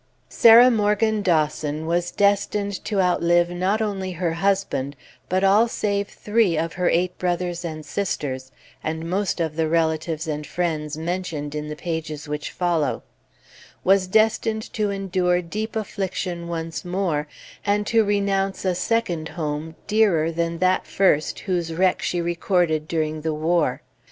Sarah Morgan Dawson was destined to outlive not only her husband, but all save three of her eight brothers and sisters, and most of the relatives and friends mentioned in the pages which follow; was destined to endure deep affliction once more, and to renounce a second home dearer than that first whose wreck she recorded during the war.